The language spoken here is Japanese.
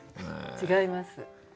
違います？